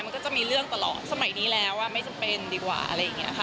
มันก็จะมีเรื่องตลอดสมัยนี้แล้วไม่จำเป็นดีกว่าอะไรอย่างนี้ค่ะ